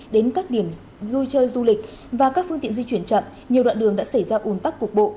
đến các điểm vui chơi du lịch và các phương tiện di chuyển chậm nhiều đoạn đường đã xảy ra ủn tắc cục bộ